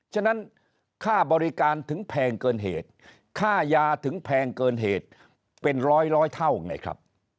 ฉะนั้นค่าบริการถึงแพงเกินเหตุค่ายาถึงแพงเกินเหตุเป็นร้อยเท่าไงครับ